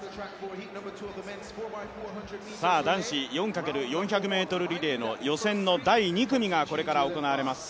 男子４×４００ｍリレーの予選の第２組がこれから行われます。